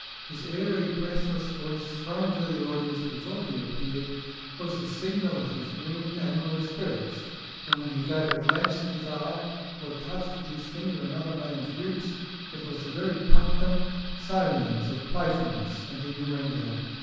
His airy, breathless voice, thrown to the audience before he appeared, was the signal of his winged animal spirits; and when he gave a glance of his eye or touched with his finger another man's ribs, it was the very punctum saliens of playfulness and innuendo.